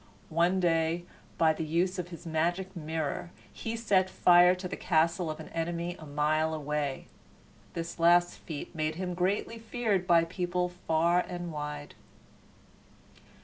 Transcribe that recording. One day, by the use of his magic mirror, he set fire to the castle of an enemy a mile away. This last feat made him greatly feared by people far and wide.